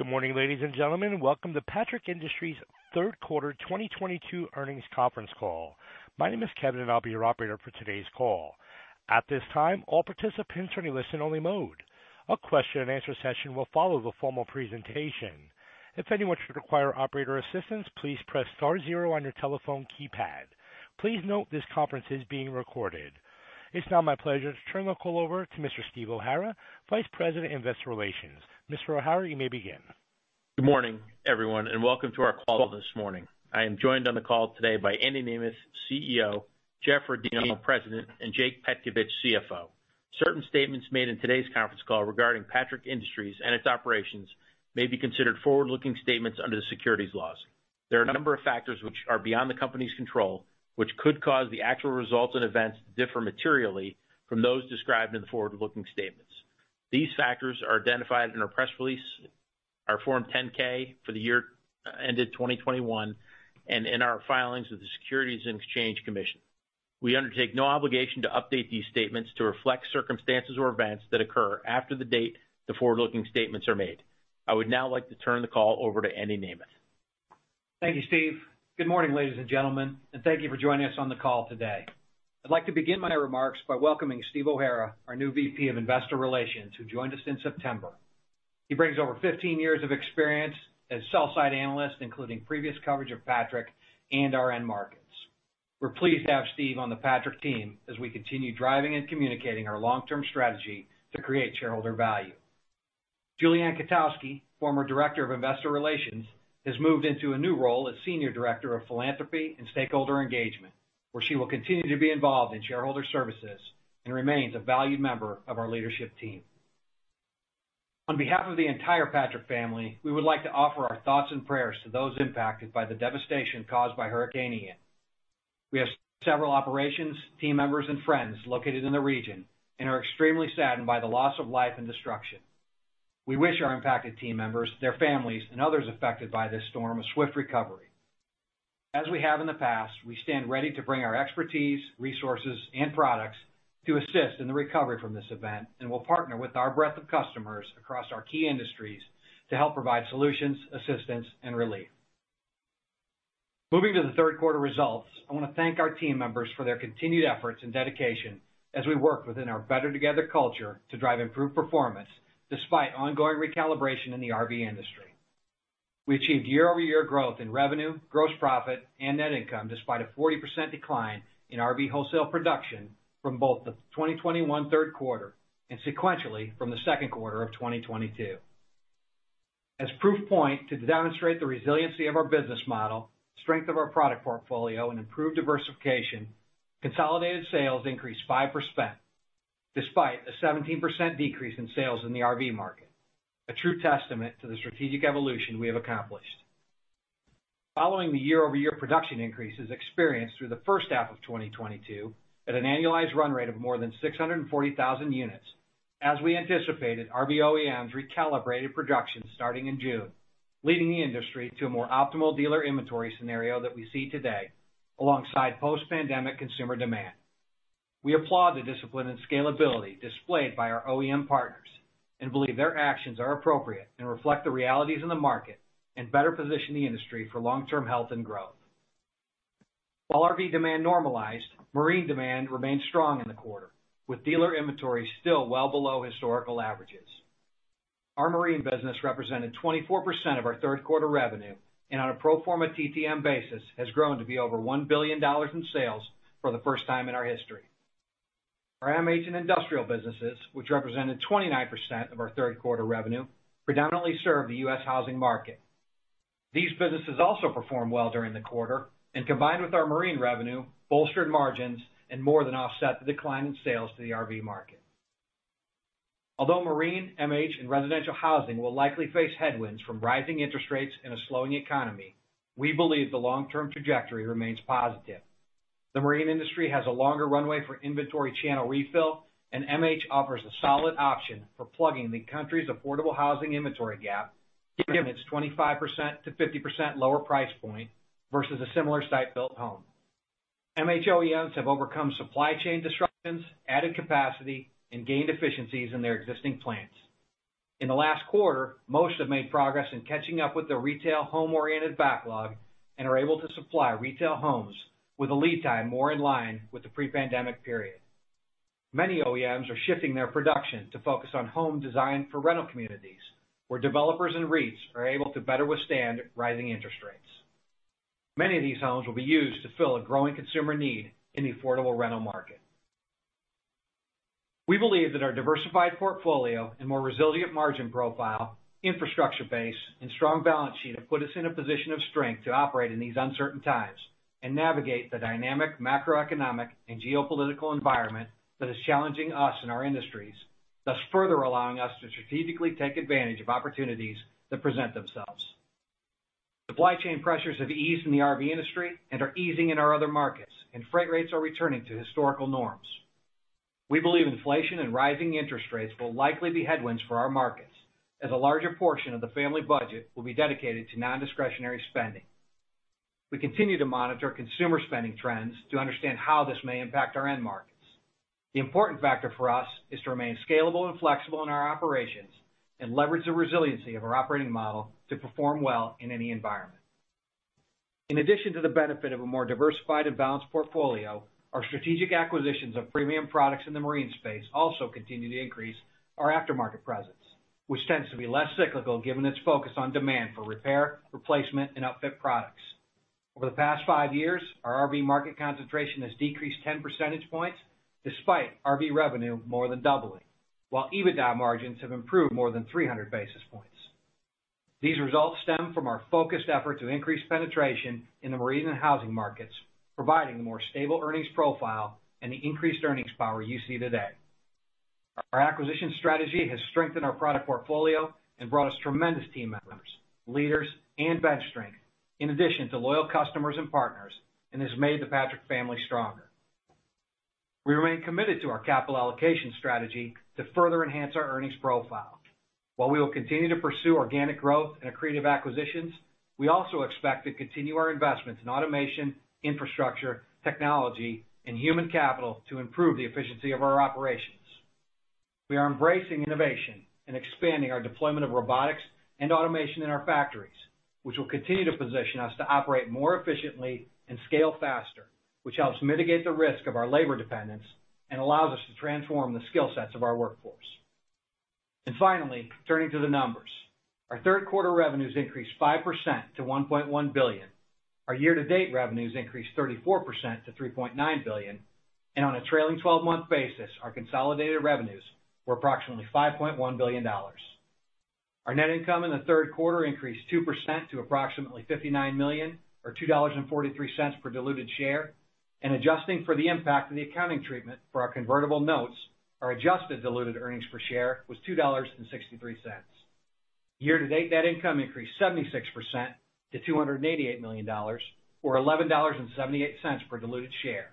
Good morning, ladies and gentlemen. Welcome to Patrick Industries' Third Quarter 2022 Earnings Conference Call. My name is Kevin, and I'll be your operator for today's call. At this time, all participants are in a listen-only mode. A question-and-answer session will follow the formal presentation. If anyone should require operator assistance, please press star zero on your telephone keypad. Please note this conference is being recorded. It's now my pleasure to turn the call over to Mr. Steve O'Hara, Vice President of Investor Relations. Mr. O'Hara, you may begin. Good morning, everyone, and welcome to our call this morning. I am joined on the call today by Andy Nemeth, CEO, Jeff Rodino, President, and Jake Petkovich, CFO. Certain statements made in today's conference call regarding Patrick Industries and its operations may be considered forward-looking statements under the securities laws. There are a number of factors which are beyond the company's control, which could cause the actual results and events to differ materially from those described in the forward-looking statements. These factors are identified in our press release, our Form 10-K for the year ended 2021, and in our filings with the Securities and Exchange Commission. We undertake no obligation to update these statements to reflect circumstances or events that occur after the date the forward-looking statements are made. I would now like to turn the call over to Andy Nemeth. Thank you, Steve. Good morning, ladies and gentlemen, and thank you for joining us on the call today. I'd like to begin my remarks by welcoming Steve O'Hara, our new VP of Investor Relations, who joined us in September. He brings over 15 years of experience as sell-side analyst, including previous coverage of Patrick and our end markets. We're pleased to have Steve on the Patrick team as we continue driving and communicating our long-term strategy to create shareholder value. Julie Ann Kotowski, former Director of Investor Relations, has moved into a new role as Senior Director of Philanthropy and Stakeholder Engagement, where she will continue to be involved in shareholder services and remains a valued member of our leadership team. On behalf of the entire Patrick family, we would like to offer our thoughts and prayers to those impacted by the devastation caused by Hurricane Ian. We have several operations, team members and friends located in the region and are extremely saddened by the loss of life and destruction. We wish our impacted team members, their families, and others affected by this storm a swift recovery. As we have in the past, we stand ready to bring our expertise, resources, and products to assist in the recovery from this event and will partner with our breadth of customers across our key industries to help provide solutions, assistance, and relief. Moving to the third quarter results, I wanna thank our team members for their continued efforts and dedication as we work within our BETTER Together culture to drive improved performance despite ongoing recalibration in the RV industry. We achieved year-over-year growth in revenue, gross profit, and net income despite a 40% decline in RV wholesale production from both the 2021 third quarter and sequentially from the second quarter of 2022. As proof point to demonstrate the resiliency of our business model, strength of our product portfolio, and improved diversification, consolidated sales increased 5% despite a 17% decrease in sales in the RV market. A true testament to the strategic evolution we have accomplished. Following the year-over-year production increases experienced through the first half of 2022 at an annualized run rate of more than 640,000 units. As we anticipated, RV OEMs recalibrated production starting in June, leading the industry to a more optimal dealer inventory scenario that we see today alongside post-pandemic consumer demand. We applaud the discipline and scalability displayed by our OEM partners and believe their actions are appropriate and reflect the realities in the market and better position the industry for long-term health and growth. While RV demand normalized, marine demand remained strong in the quarter, with dealer inventory still well below historical averages. Our marine business represented 24% of our third quarter revenue, and on a pro forma TTM basis, has grown to be over $1 billion in sales for the first time in our history. Our MH and industrial businesses, which represented 29% of our third quarter revenue, predominantly serve the U.S. housing market. These businesses also performed well during the quarter and combined with our marine revenue, bolstered margins and more than offset the decline in sales to the RV market. Although marine, MH, and residential housing will likely face headwinds from rising interest rates in a slowing economy, we believe the long-term trajectory remains positive. The marine industry has a longer runway for inventory channel refill, and MH offers a solid option for plugging the country's affordable housing inventory gap, given its 25%-50% lower price point versus a similar site-built home. MH OEMs have overcome supply chain disruptions, added capacity, and gained efficiencies in their existing plants. In the last quarter, most have made progress in catching up with the retail home-oriented backlog and are able to supply retail homes with a lead time more in line with the pre-pandemic period. Many OEMs are shifting their production to focus on home design for rental communities, where developers and REITs are able to better withstand rising interest rates. Many of these homes will be used to fill a growing consumer need in the affordable rental market. We believe that our diversified portfolio and more resilient margin profile, infrastructure base, and strong balance sheet have put us in a position of strength to operate in these uncertain times and navigate the dynamic macroeconomic and geopolitical environment that is challenging us and our industries, thus further allowing us to strategically take advantage of opportunities that present themselves. Supply chain pressures have eased in the RV industry and are easing in our other markets, and freight rates are returning to historical norms. We believe inflation and rising interest rates will likely be headwinds for our markets, as a larger portion of the family budget will be dedicated to non-discretionary spending. We continue to monitor consumer spending trends to understand how this may impact our end markets. The important factor for us is to remain scalable and flexible in our operations and leverage the resiliency of our operating model to perform well in any environment. In addition to the benefit of a more diversified and balanced portfolio, our strategic acquisitions of premium products in the marine space also continue to increase our aftermarket presence, which tends to be less cyclical given its focus on demand for repair, replacement, and outfit products. Over the past five years, our RV market concentration has decreased 10 percentage points despite RV revenue more than doubling, while EBITDA margins have improved more than 300 basis points. These results stem from our focused effort to increase penetration in the marine and housing markets, providing a more stable earnings profile and the increased earnings power you see today. Our acquisition strategy has strengthened our product portfolio and brought us tremendous team members, leaders, and bench strength, in addition to loyal customers and partners, and has made the Patrick family stronger. We remain committed to our capital allocation strategy to further enhance our earnings profile. While we will continue to pursue organic growth and accretive acquisitions, we also expect to continue our investments in automation, infrastructure, technology, and human capital to improve the efficiency of our operations. We are embracing innovation and expanding our deployment of robotics and automation in our factories, which will continue to position us to operate more efficiently and scale faster, which helps mitigate the risk of our labor dependence and allows us to transform the skill sets of our workforce. Finally, turning to the numbers. Our third quarter revenues increased 5% to $1.1 billion. Our year-to-date revenues increased 34% to $3.9 billion. On a trailing 12-month basis, our consolidated revenues were approximately $5.1 billion. Our net income in the third quarter increased 2% to approximately $59 million or $2.43 per diluted share. Adjusting for the impact of the accounting treatment for our convertible notes, our adjusted diluted earnings per share was $2.63. Year-to-date net income increased 76% to $288 million or $11.78 per diluted share.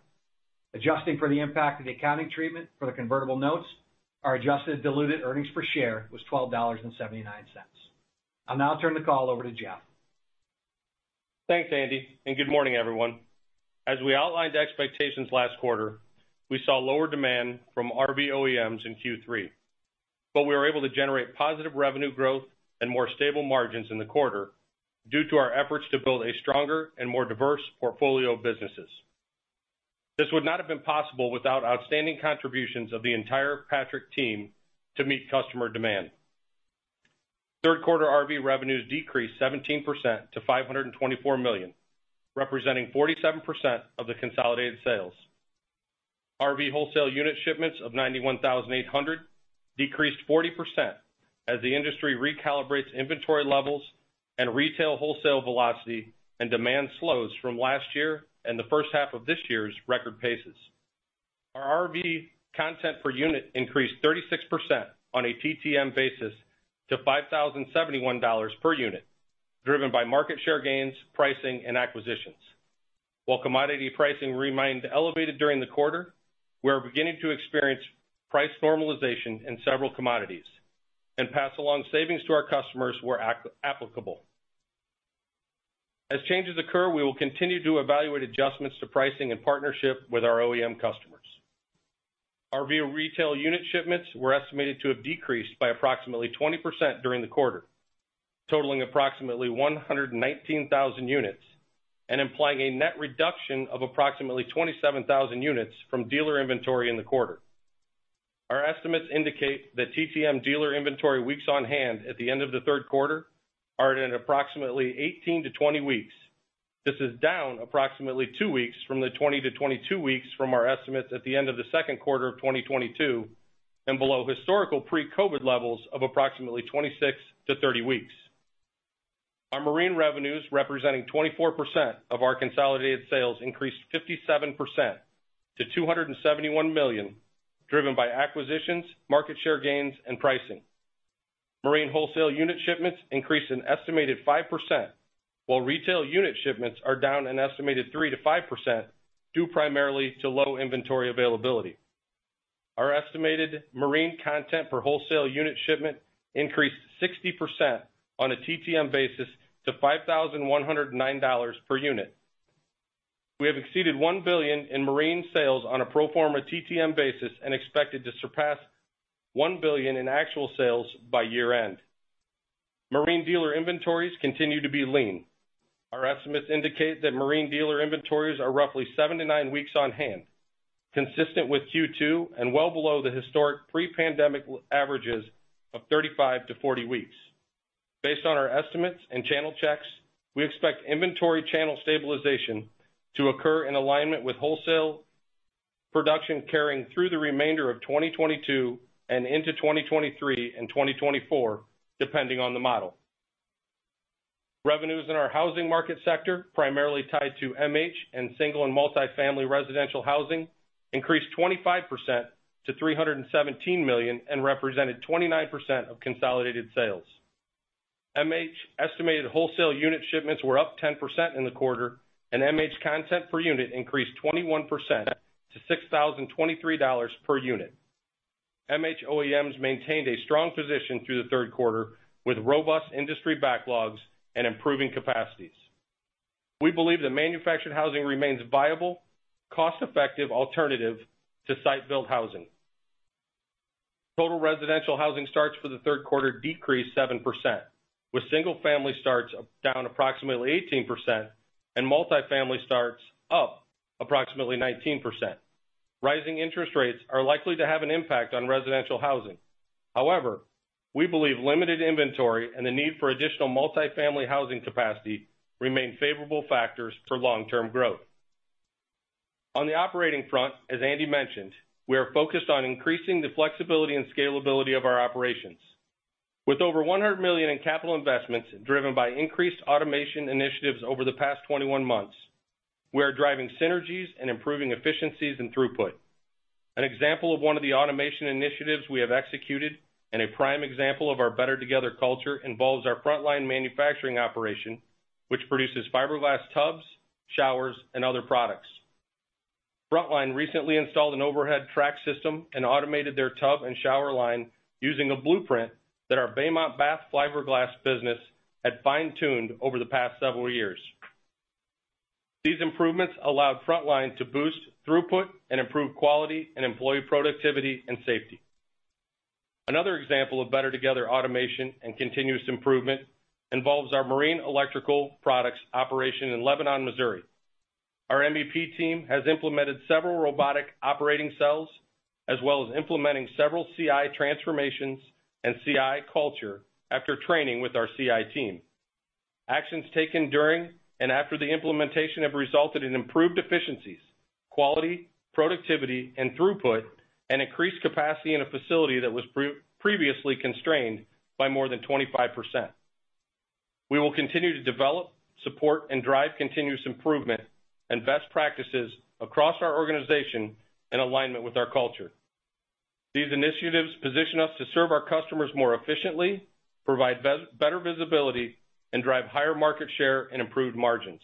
Adjusting for the impact of the accounting treatment for the convertible notes, our adjusted diluted earnings per share was $12.79. I'll now turn the call over to Jeff. Thanks, Andy, and good morning, everyone. As we outlined expectations last quarter, we saw lower demand from RV OEMs in Q3, but we were able to generate positive revenue growth and more stable margins in the quarter due to our efforts to build a stronger and more diverse portfolio of businesses. This would not have been possible without outstanding contributions of the entire Patrick team to meet customer demand. Third quarter RV revenues decreased 17% to $524 million, representing 47% of the consolidated sales. RV wholesale unit shipments of 91,800 decreased 40% as the industry recalibrates inventory levels and retail wholesale velocity and demand slows from last year and the first half of this year's record paces. Our RV content per unit increased 36% on a TTM basis to $5,071 per unit, driven by market share gains, pricing, and acquisitions. While commodity pricing remained elevated during the quarter, we are beginning to experience price normalization in several commodities and pass along savings to our customers where applicable. As changes occur, we will continue to evaluate adjustments to pricing in partnership with our OEM customers. RV retail unit shipments were estimated to have decreased by approximately 20% during the quarter, totaling approximately 119,000 units and implying a net reduction of approximately 27,000 units from dealer inventory in the quarter. Our estimates indicate that TTM dealer inventory weeks on hand at the end of the third quarter are at approximately 18-20 weeks. This is down approximately two weeks from the 20-22 weeks from our estimates at the end of the second quarter of 2022 and below historical pre-COVID levels of approximately 26-30 weeks. Our marine revenues, representing 24% of our consolidated sales, increased 57% to $271 million, driven by acquisitions, market share gains, and pricing. Marine wholesale unit shipments increased an estimated 5%, while retail unit shipments are down an estimated 3%-5%, due primarily to low inventory availability. Our estimated marine content per wholesale unit shipment increased 60% on a TTM basis to $5,109 per unit. We have exceeded $1 billion in marine sales on a pro forma TTM basis and expected to surpass $1 billion in actual sales by year-end. Marine dealer inventories continue to be lean. Our estimates indicate that marine dealer inventories are roughly seven-nine weeks on hand, consistent with Q2 and well below the historic pre-pandemic averages of 35-40 weeks. Based on our estimates and channel checks, we expect inventory channel stabilization to occur in alignment with wholesale production carrying through the remainder of 2022 and into 2023 and 2024, depending on the model. Revenues in our housing market sector, primarily tied to MH and single and multi-family residential housing, increased 25% to $317 million and represented 29% of consolidated sales. MH estimated wholesale unit shipments were up 10% in the quarter, and MH content per unit increased 21% to $6,023 per unit. MH OEMs maintained a strong position through the third quarter with robust industry backlogs and improving capacities. We believe that manufactured housing remains viable, cost-effective alternative to site-built housing. Total residential housing starts for the third quarter decreased 7%, with single-family starts down approximately 18% and multifamily starts up approximately 19%. Rising interest rates are likely to have an impact on residential housing. However, we believe limited inventory and the need for additional multifamily housing capacity remain favorable factors for long-term growth. On the operating front, as Andy mentioned, we are focused on increasing the flexibility and scalability of our operations. With over $100 million in capital investments driven by increased automation initiatives over the past 21 months, we are driving synergies and improving efficiencies and throughput. An example of one of the automation initiatives we have executed and a prime example of our BETTER Together culture involves our Frontline Manufacturing operation, which produces fiberglass tubs, showers, and other products. Frontline recently installed an overhead track system and automated their tub and shower line using a blueprint that our Baymont Bath fiberglass business had fine-tuned over the past several years. These improvements allowed Frontline to boost throughput and improve quality and employee productivity and safety. Another example of BETTER Together automation and continuous improvement involves our Marine Electrical Products operation in Lebanon, Missouri. Our MEP team has implemented several robotic operating cells, as well as implementing several CI transformations and CI culture after training with our CI team. Actions taken during and after the implementation have resulted in improved efficiencies, quality, productivity, and throughput, and increased capacity in a facility that was previously constrained by more than 25%. We will continue to develop, support, and drive continuous improvement and best practices across our organization in alignment with our culture. These initiatives position us to serve our customers more efficiently, provide better visibility, and drive higher market share and improved margins.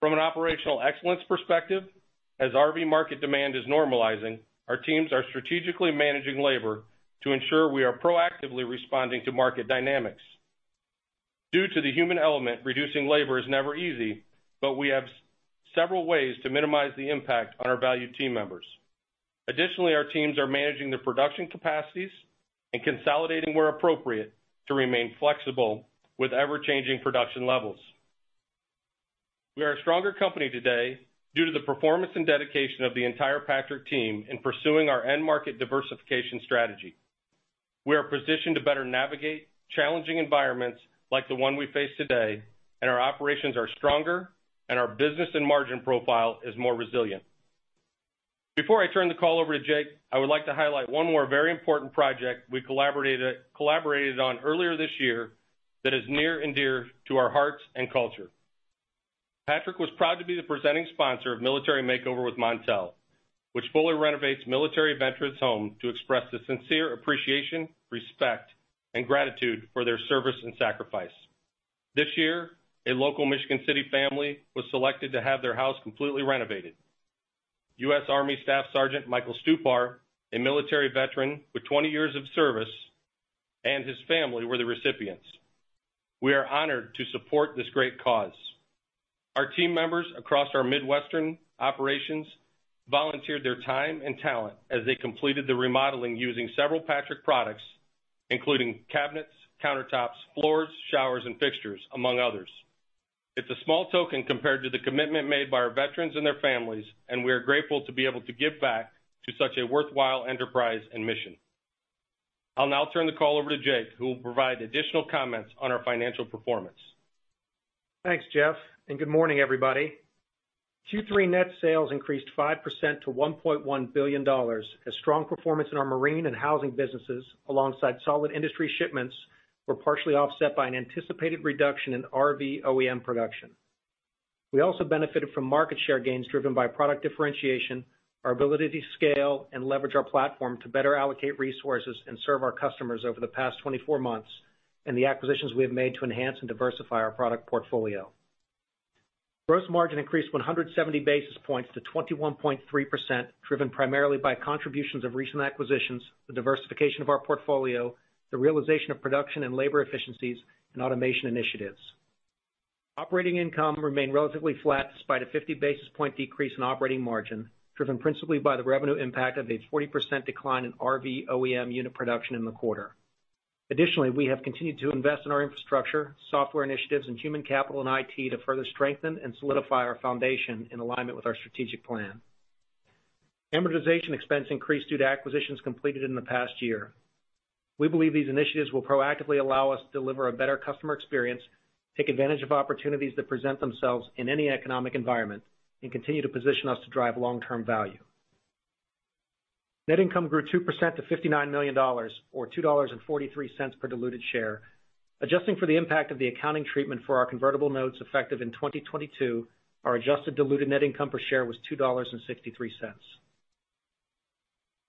From an operational excellence perspective, as RV market demand is normalizing, our teams are strategically managing labor to ensure we are proactively responding to market dynamics. Due to the human element, reducing labor is never easy, but we have several ways to minimize the impact on our valued team members. Additionally, our teams are managing their production capacities and consolidating where appropriate to remain flexible with ever-changing production levels. We are a stronger company today due to the performance and dedication of the entire Patrick team in pursuing our end market diversification strategy. We are positioned to better navigate challenging environments like the one we face today, and our operations are stronger, and our business and margin profile is more resilient. Before I turn the call over to Jake, I would like to highlight one more very important project we collaborated on earlier this year that is near and dear to our hearts and culture. Patrick was proud to be the presenting sponsor of Military Makeover with Montel, which fully renovates military veterans' home to express the sincere appreciation, respect, and gratitude for their service and sacrifice. This year, a local Michigan City family was selected to have their house completely renovated. U.S. Army Staff Sergeant Michael Stupar, a military veteran with 20 years of service, and his family were the recipients. We are honored to support this great cause. Our team members across our Midwestern operations volunteered their time and talent as they completed the remodeling using several Patrick products, including cabinets, countertops, floors, showers, and fixtures, among others. It's a small token compared to the commitment made by our veterans and their families, and we are grateful to be able to give back to such a worthwhile enterprise and mission. I'll now turn the call over to Jake, who will provide additional comments on our financial performance. Thanks, Jeff, and good morning, everybody. Q3 net sales increased 5% to $1.1 billion as strong performance in our marine and housing businesses alongside solid industry shipments were partially offset by an anticipated reduction in RV OEM production. We also benefited from market share gains driven by product differentiation, our ability to scale and leverage our platform to better allocate resources and serve our customers over the past 24 months, and the acquisitions we have made to enhance and diversify our product portfolio. Gross margin increased 170 basis points to 21.3%, driven primarily by contributions of recent acquisitions, the diversification of our portfolio, the realization of production and labor efficiencies, and automation initiatives. Operating income remained relatively flat despite a 50 basis point decrease in operating margin, driven principally by the revenue impact of a 40% decline in RV OEM unit production in the quarter. Additionally, we have continued to invest in our infrastructure, software initiatives, and human capital and IT to further strengthen and solidify our foundation in alignment with our strategic plan. Amortization expense increased due to acquisitions completed in the past year. We believe these initiatives will proactively allow us to deliver a better customer experience, take advantage of opportunities that present themselves in any economic environment, and continue to position us to drive long-term value. Net income grew 2% to $59 million or $2.43 per diluted share. Adjusting for the impact of the accounting treatment for our convertible notes effective in 2022, our adjusted diluted net income per share was $2.63.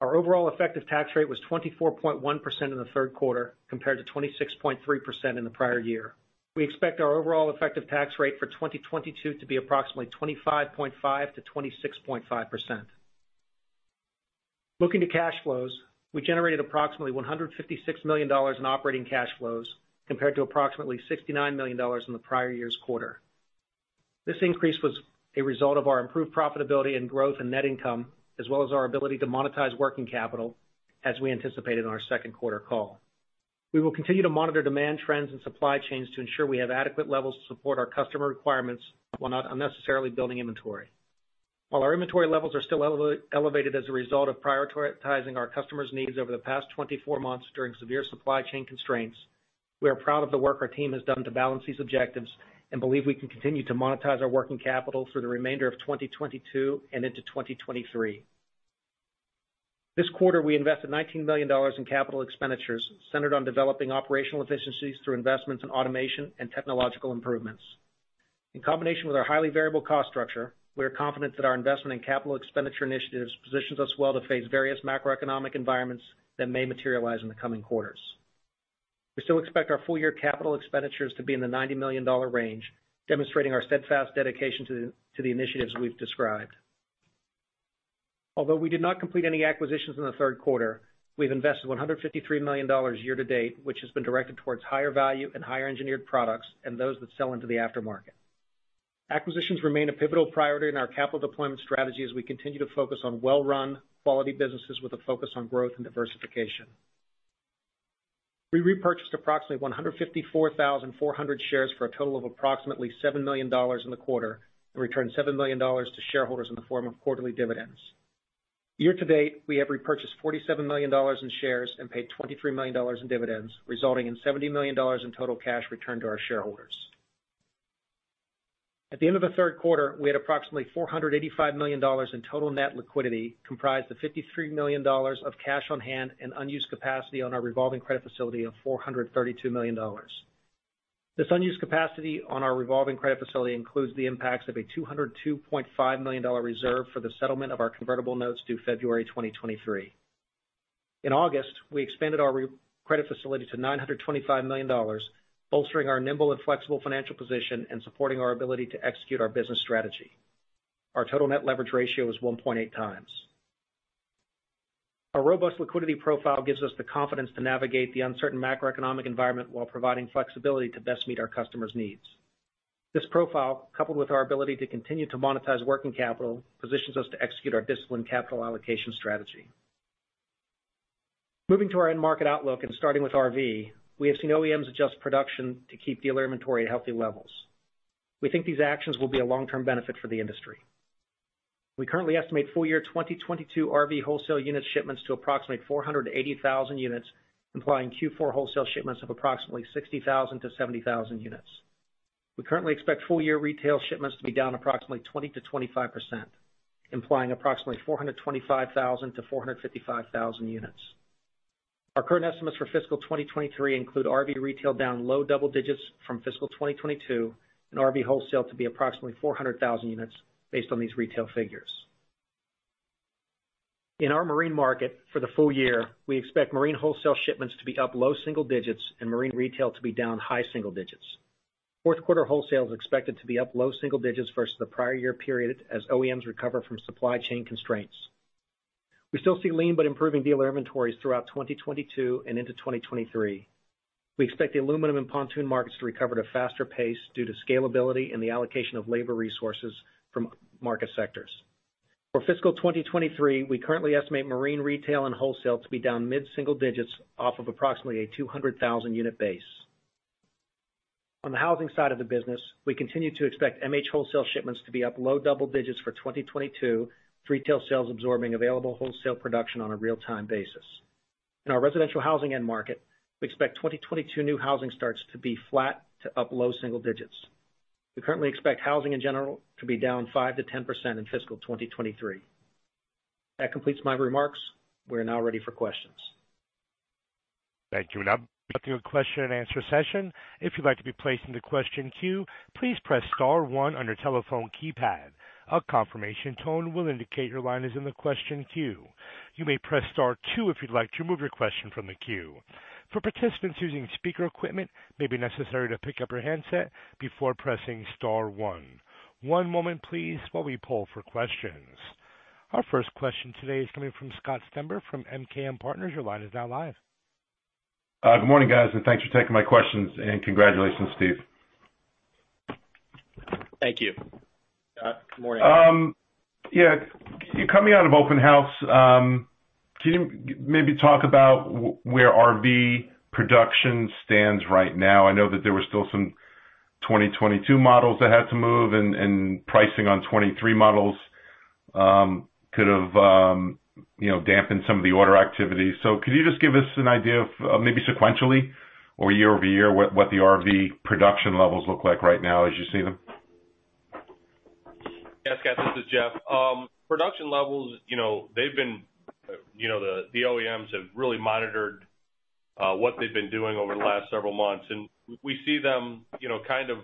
Our overall effective tax rate was 24.1% in the third quarter compared to 26.3% in the prior year. We expect our overall effective tax rate for 2022 to be approximately 25.5%-26.5%. Looking to cash flows, we generated approximately $156 million in operating cash flows compared to approximately $69 million in the prior year's quarter. This increase was a result of our improved profitability and growth in net income, as well as our ability to monetize working capital as we anticipated in our second quarter call. We will continue to monitor demand trends and supply chains to ensure we have adequate levels to support our customer requirements while not unnecessarily building inventory. Our inventory levels are still elevated as a result of prioritizing our customers' needs over the past 24 months during severe supply chain constraints. We are proud of the work our team has done to balance these objectives and believe we can continue to monetize our working capital through the remainder of 2022 and into 2023. This quarter, we invested $19 million in capital expenditures centered on developing operational efficiencies through investments in automation and technological improvements. In combination with our highly variable cost structure, we are confident that our investment in capital expenditure initiatives positions us well to face various macroeconomic environments that may materialize in the coming quarters. We still expect our full-year capital expenditures to be in the $90 million range, demonstrating our steadfast dedication to the initiatives we've described. Although we did not complete any acquisitions in the third quarter, we've invested $153 million year-to-date, which has been directed towards higher value and higher engineered products and those that sell into the aftermarket. Acquisitions remain a pivotal priority in our capital deployment strategy as we continue to focus on well-run quality businesses with a focus on growth and diversification. We repurchased approximately 154,400 shares for a total of approximately $7 million in the quarter and returned $7 million to shareholders in the form of quarterly dividends. Year to date, we have repurchased $47 million in shares and paid $23 million in dividends, resulting in $70 million in total cash returned to our shareholders. At the end of the third quarter, we had approximately $485 million in total net liquidity, comprised of $53 million of cash on hand and unused capacity on our revolving credit facility of $432 million. This unused capacity on our revolving credit facility includes the impacts of a $202.5 million reserve for the settlement of our convertible notes due February 2023. In August, we expanded our credit facility to $925 million, bolstering our nimble and flexible financial position and supporting our ability to execute our business strategy. Our total net leverage ratio is 1.8x. Our robust liquidity profile gives us the confidence to navigate the uncertain macroeconomic environment while providing flexibility to best meet our customers' needs. This profile, coupled with our ability to continue to monetize working capital, positions us to execute our disciplined capital allocation strategy. Moving to our end market outlook and starting with RV, we have seen OEMs adjust production to keep dealer inventory at healthy levels. We think these actions will be a long-term benefit for the industry. We currently estimate full-year 2022 RV wholesale unit shipments to approximately 480,000 units, implying Q4 wholesale shipments of approximately 60,000-70,000 units. We currently expect full-year retail shipments to be down approximately 20%-25%, implying approximately 425,000-455,000 units. Our current estimates for fiscal 2023 include RV retail down low double digits from fiscal 2022 and RV wholesale to be approximately 400,000 units based on these retail figures. In our marine market for the full year, we expect marine wholesale shipments to be up low single digits and marine retail to be down high single digits. Fourth quarter wholesale is expected to be up low single digits versus the prior year period as OEMs recover from supply chain constraints. We still see lean but improving dealer inventories throughout 2022 and into 2023. We expect the aluminum and pontoon markets to recover at a faster pace due to scalability and the allocation of labor resources from market sectors. For fiscal 2023, we currently estimate marine retail and wholesale to be down mid-single digits off of approximately a 200,000 unit base. On the housing side of the business, we continue to expect MH wholesale shipments to be up low double digits for 2022, with retail sales absorbing available wholesale production on a real-time basis. In our residential housing end market, we expect 2022 new housing starts to be flat to up low single digits. We currently expect housing in general to be down 5%-10% in fiscal 2023. That completes my remarks. We are now ready for questions. Thank you. Now to a question and answer session. If you'd like to be placed in the question queue, please press star one on your telephone keypad. A confirmation tone will indicate your line is in the question queue. You may press star two if you'd like to remove your question from the queue. For participants using speaker equipment, it may be necessary to pick up your handset before pressing star one. One moment please while we poll for questions. Our first question today is coming from Scott Stember from MKM Partners. Your line is now live. Good morning, guys, and thanks for taking my questions. Congratulations, Steve. Thank you. Good morning. Yeah, coming out of open house, can you maybe talk about where RV production stands right now? I know that there were still some 2022 models that had to move and pricing on 2023 models, you know, dampened some of the order activity. Could you just give us an idea of maybe sequentially or year-over-year what the RV production levels look like right now as you see them? Yes, Scott, this is Jeff. Production levels, you know, they've been, you know, the OEMs have really monitored what they've been doing over the last several months, and we see them, you know, kind of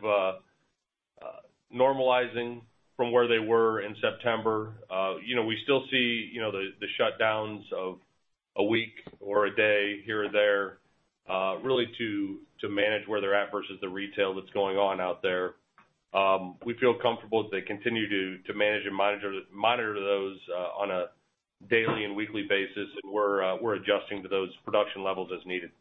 normalizing from where they were in September. You know, we still see, you know, the shutdowns of a week or a day here and there, really to manage where they're at versus the retail that's going on out there. We feel comfortable that they continue to manage and monitor those on a daily and weekly basis, and we're adjusting to those production levels as needed.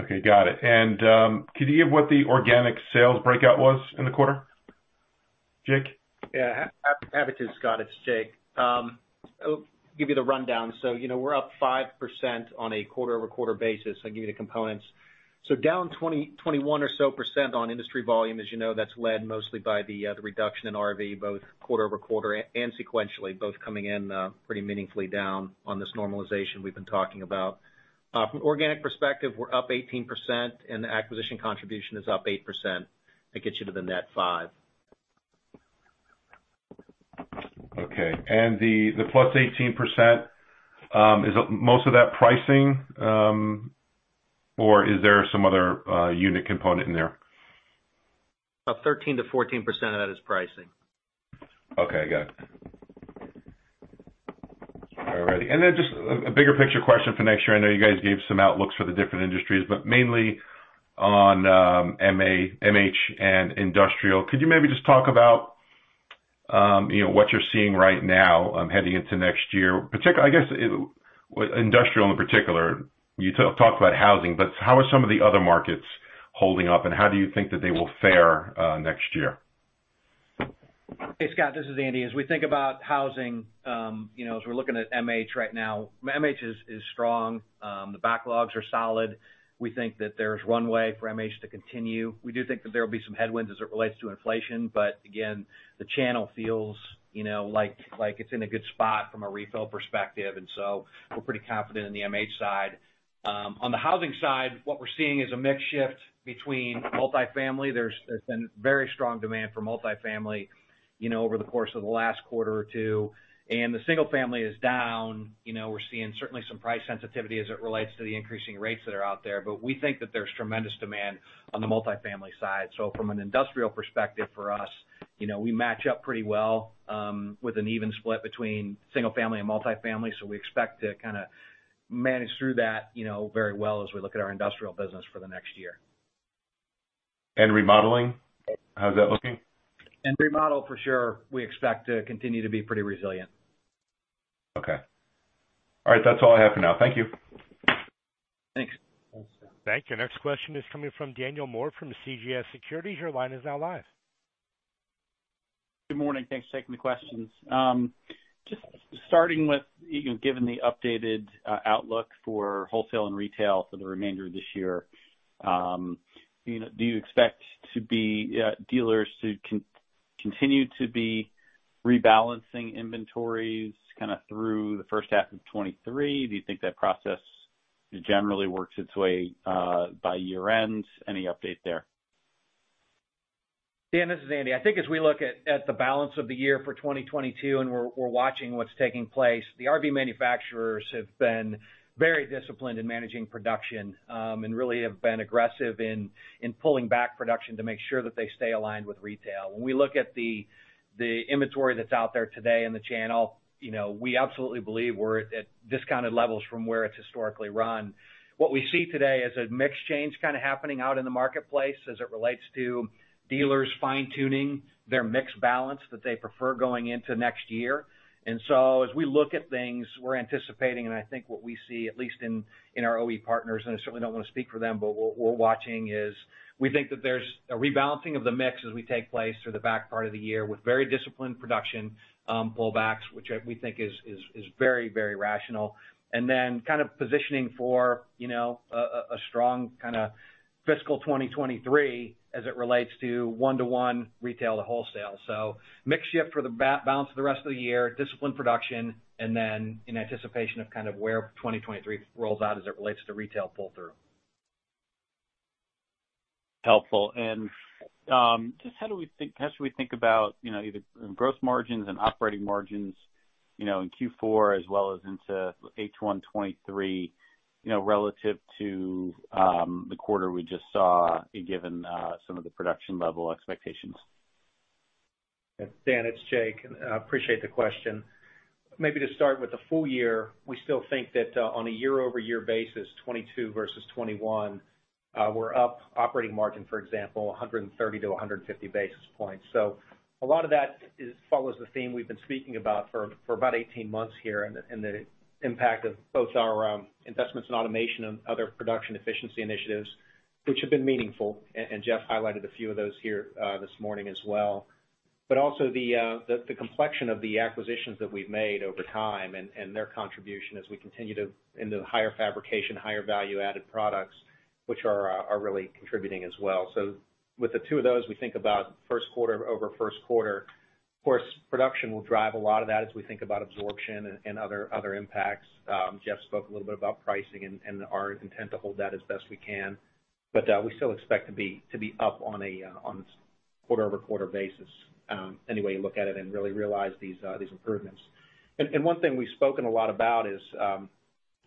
Okay, got it. Can you give what the organic sales breakout was in the quarter? Jake? Yeah. Happy to, Scott. It's Jake. I'll give you the rundown. You know, we're up 5% on a quarter-over-quarter basis. I'll give you the components. Down 20%-21% or so on industry volume. As you know, that's led mostly by the reduction in RV, both quarter-over-quarter and sequentially, both coming in pretty meaningfully down on this normalization we've been talking about. From organic perspective, we're up 18%, and the acquisition contribution is up 8%. That gets you to the net 5%. Okay. The +18% is most of that pricing, or is there some other unit component in there? About 13%-14% of that is pricing. Okay, got it. All right. Then just a bigger picture question for next year. I know you guys gave some outlooks for the different industries, but mainly on MH and industrial, could you maybe just talk about you know what you're seeing right now heading into next year? Industrial in particular, you talked about housing, but how are some of the other markets holding up, and how do you think that they will fare next year? Hey, Scott, this is Andy. As we think about housing, you know, as we're looking at MH right now, MH is strong. The backlogs are solid. We think that there's one way for MH to continue. We do think that there will be some headwinds as it relates to inflation, but again, the channel feels, you know, like it's in a good spot from a refill perspective. We're pretty confident in the MH side. On the housing side, what we're seeing is a mix shift between multifamily. There's been very strong demand for multifamily, you know, over the course of the last quarter or two. The single family is down. We're seeing certainly some price sensitivity as it relates to the increasing rates that are out there, but we think that there's tremendous demand on the multifamily side. From an industrial perspective, for us, you know, we match up pretty well with an even split between single family and multifamily, so we expect to kinda manage through that, you know, very well as we look at our industrial business for the next year. Remodeling, how's that looking? Remodel for sure, we expect to continue to be pretty resilient. Okay. All right, that's all I have for now. Thank you. Thanks. Thanks, Scott. Thank you. Next question is coming from Daniel Moore from CJS Securities. Your line is now live. Good morning. Thanks for taking the questions. Just starting with, you know, given the updated outlook for wholesale and retail for the remainder of this year, you know, do you expect dealers to continue to be rebalancing inventories kinda through the first half of 2023? Do you think that process generally works its way by year end? Any update there? Dan, this is Andy. I think as we look at the balance of the year for 2022, and we're watching what's taking place, the RV manufacturers have been very disciplined in managing production, and really have been aggressive in pulling back production to make sure that they stay aligned with retail. When we look at the inventory that's out there today in the channel, you know, we absolutely believe we're at discounted levels from where it's historically run. What we see today is a mix change kinda happening out in the marketplace as it relates to dealers fine-tuning their mix balance that they prefer going into next year. As we look at things, we're anticipating, and I think what we see, at least in our OEM partners, and I certainly don't wanna speak for them, but what we're watching is we think that there's a rebalancing of the mix as we take place through the back part of the year with very disciplined production pullbacks, which we think is very rational. Then kind of positioning for, you know, a strong kinda fiscal 2023 as it relates to one-to-one retail to wholesale. Mix shift for the balance of the rest of the year, disciplined production, and then in anticipation of kind of where 2023 rolls out as it relates to retail pull-through. Helpful. Just how do we think, how should we think about, you know, either in growth margins and operating margins, you know, in Q4 as well as into H1 2023, you know, relative to, the quarter we just saw given, some of the production level expectations? Daniel, it's Jake, and I appreciate the question. Maybe to start with the full year, we still think that, on a year-over-year basis, 2022 versus 2021, we're up operating margin, for example, 130-150 basis points. A lot of that is follows the theme we've been speaking about for about 18 months here and the impact of both our investments in automation and other production efficiency initiatives, which have been meaningful. Jeff highlighted a few of those here this morning as well. Also the complexion of the acquisitions that we've made over time and their contribution as we continue into the higher fabrication, higher value-added products, which are really contributing as well. With those two, we think about first quarter over first quarter. Of course, production will drive a lot of that as we think about absorption and other impacts. Jeff spoke a little bit about pricing and our intent to hold that as best we can. We still expect to be up on that. Quarter-over-quarter basis, any way you look at it and really realize these improvements. One thing we've spoken a lot about is,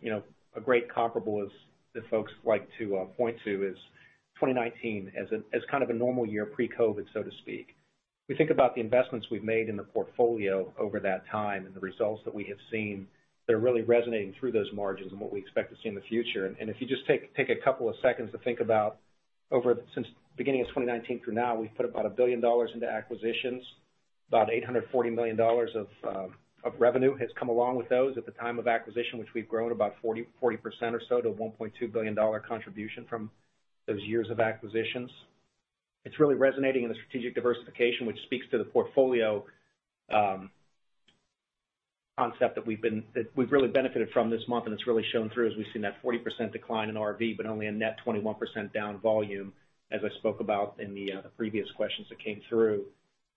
you know, a great comparable is that folks like to point to is 2019 as a kind of a normal year pre-COVID, so to speak. We think about the investments we've made in the portfolio over that time and the results that we have seen that are really resonating through those margins and what we expect to see in the future. If you just take a couple of seconds to think about over since beginning of 2019 through now, we've put about $1 billion into acquisitions. About $840 million of revenue has come along with those at the time of acquisition, which we've grown about 40% or so to $1.2 billion contribution from those years of acquisitions. It's really resonating in the strategic diversification, which speaks to the portfolio concept that we've really benefited from this month, and it's really shown through as we've seen that 40% decline in RV, but only a net 21% down volume, as I spoke about in the previous questions that came through.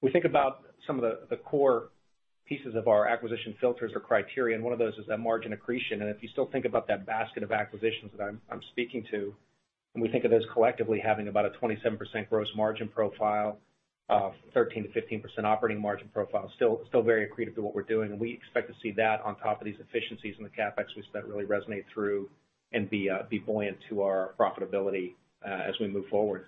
We think about some of the core pieces of our acquisition filters or criteria, and one of those is that margin accretion. If you still think about that basket of acquisitions that I'm speaking to, and we think of those collectively having about a 27% gross margin profile, 13%-15% operating margin profile, still very accretive to what we're doing. We expect to see that on top of these efficiencies in the CapEx, which really resonate through and be buoyant to our profitability, as we move forward.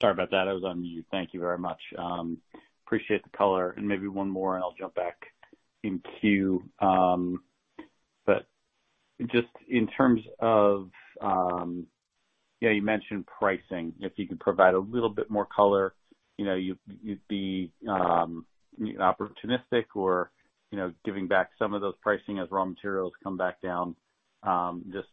Sorry about that. I was on mute. Thank you very much. Appreciate the color. Maybe one more, and I'll jump back in queue. Just in terms of, yeah, you mentioned pricing. If you could provide a little bit more color, you know, you'd be opportunistic or, you know, giving back some of those pricing as raw materials come back down, just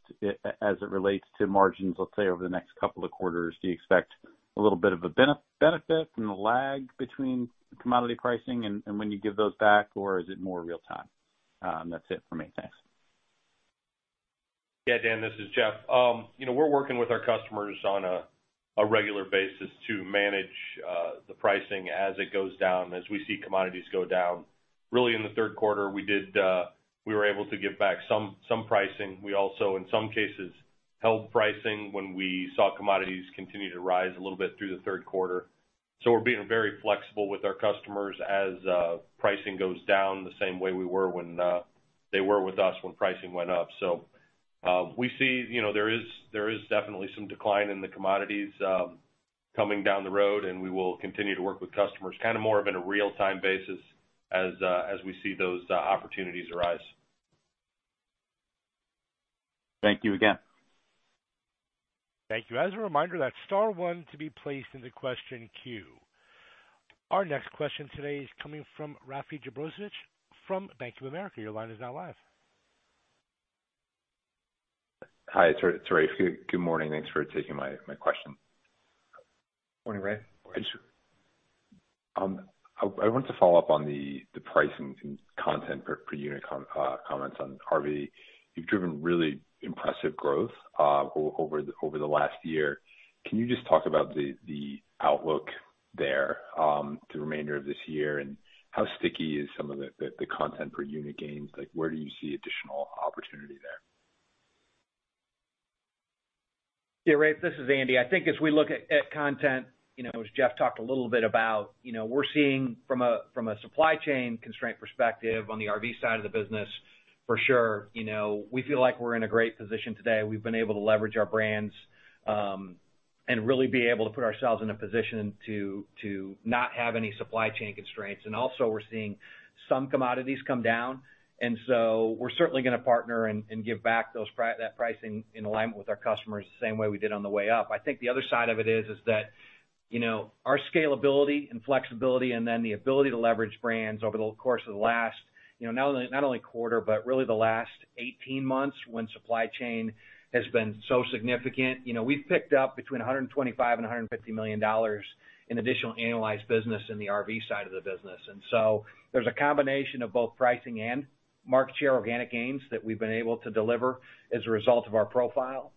as it relates to margins, let's say, over the next couple of quarters. Do you expect a little bit of a benefit from the lag between commodity pricing and when you give those back, or is it more real time? That's it for me. Thanks. Yeah, Dan, this is Jeff. You know, we're working with our customers on a regular basis to manage the pricing as it goes down, as we see commodities go down. Really in the third quarter, we were able to give back some pricing. We also, in some cases, held pricing when we saw commodities continue to rise a little bit through the third quarter. We're being very flexible with our customers as pricing goes down the same way we were when they were with us when pricing went up. We see, you know, there is definitely some decline in the commodities coming down the road, and we will continue to work with customers kind of more of in a real-time basis as we see those opportunities arise. Thank you again. Thank you. As a reminder, that's star one to be placed into question queue. Our next question today is coming from Rafe Jadrosich from Bank of America. Your line is now live. Hi, it's Rafe Jadrosich. Good morning. Thanks for taking my question. Morning, Rafe. I wanted to follow up on the pricing content per unit comments on RV. You've driven really impressive growth over the last year. Can you just talk about the outlook there, the remainder of this year and how sticky is some of the content per unit gains? Like, where do you see additional opportunity there? Yeah, Rafe, this is Andy. I think as we look at content, you know, as Jeff talked a little bit about, you know, we're seeing from a supply chain constraint perspective on the RV side of the business for sure, you know, we feel like we're in a great position today. We've been able to leverage our brands and really be able to put ourselves in a position to not have any supply chain constraints. Also we're seeing some commodities come down, and so we're certainly gonna partner and give back that pricing in alignment with our customers the same way we did on the way up. I think the other side of it is that, you know, our scalability and flexibility and then the ability to leverage brands over the course of the last, you know, not only quarter, but really the last 18 months when supply chain has been so significant. You know, we've picked up between $125 million and $150 million in additional annualized business in the RV side of the business. There's a combination of both pricing and market share organic gains that we've been able to deliver as a result of our profile.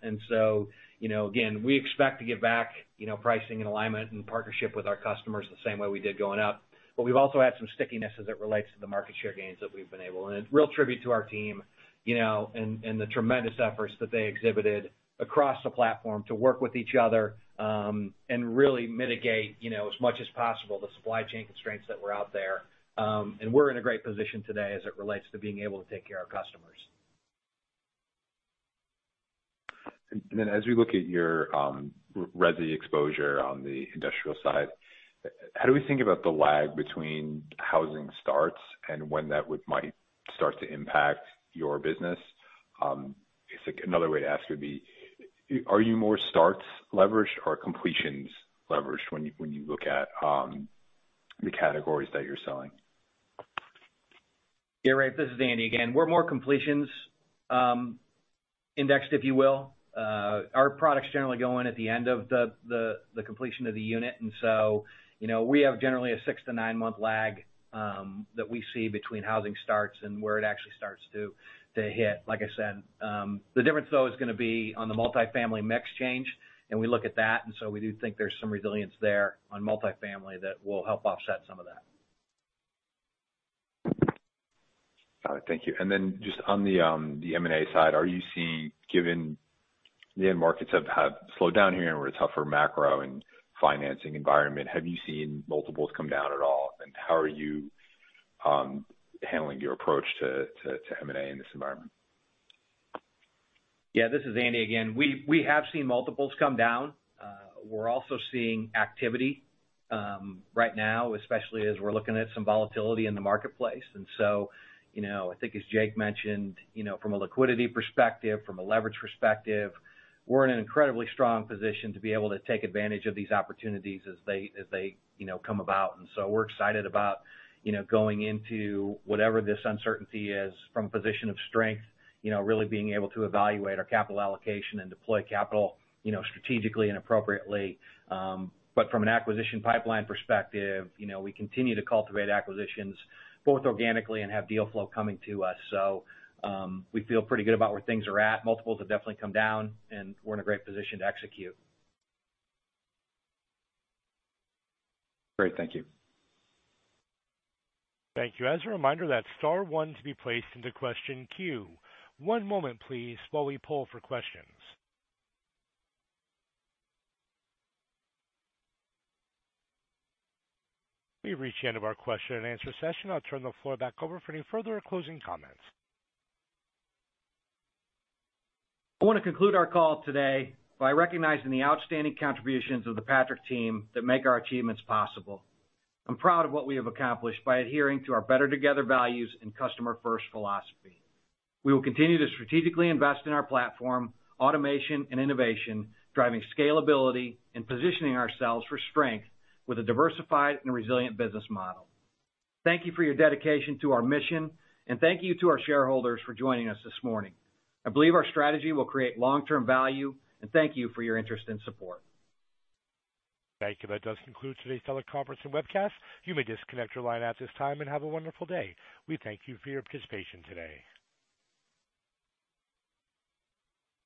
You know, again, we expect to give back, you know, pricing and alignment and partnership with our customers the same way we did going up. We've also had some stickiness as it relates to the market share gains that we've been able to. A real tribute to our team, you know, and the tremendous efforts that they exhibited across the platform to work with each other, and really mitigate, you know, as much as possible the supply chain constraints that were out there. We're in a great position today as it relates to being able to take care of customers. As we look at your resi exposure on the industrial side, how do we think about the lag between housing starts and when that might start to impact your business? I guess like another way to ask would be, are you more starts leveraged or completions leveraged when you look at the categories that you're selling? Yeah, Rafe, this is Andy again. We're more completions indexed, if you will. Our products generally go in at the end of the completion of the unit. You know, we have generally a six-nine month lag that we see between housing starts and where it actually starts to hit. Like I said, the difference though is gonna be on the multifamily mix change, and we look at that. We do think there's some resilience there on multifamily that will help offset some of that. Thank you. Just on the M&A side, are you seeing, given the end markets have slowed down here and with a tougher macro and financing environment, have you seen multiples come down at all? How are you handling your approach to M&A in this environment? Yeah, this is Andy again. We have seen multiples come down. We're also seeing activity right now, especially as we're looking at some volatility in the marketplace. You know, I think as Jake mentioned, you know, from a liquidity perspective, from a leverage perspective, we're in an incredibly strong position to be able to take advantage of these opportunities as they you know come about. We're excited about you know going into whatever this uncertainty is from a position of strength, you know, really being able to evaluate our capital allocation and deploy capital you know strategically and appropriately. From an acquisition pipeline perspective, you know, we continue to cultivate acquisitions both organically and have deal flow coming to us. We feel pretty good about where things are at multiples have definitely come down, and we're in a great position to execute. Great. Thank you. Thank you. As a reminder, that's star one to be placed into question queue. One moment, please, while we poll for questions. We've reached the end of our question and answer session. I'll turn the floor back over for any further closing comments. I wanna conclude our call today by recognizing the outstanding contributions of the Patrick team that make our achievements possible. I'm proud of what we have accomplished by adhering to our BETTER Together values and customer first philosophy. We will continue to strategically invest in our platform, automation and innovation, driving scalability and positioning ourselves for strength with a diversified and resilient business model. Thank you for your dedication to our mission, and thank you to our shareholders for joining us this morning. I believe our strategy will create long-term value, and thank you for your interest and support. Thank you. That does conclude today's teleconference and webcast. You may disconnect your line at this time and have a wonderful day. We thank you for your participation today.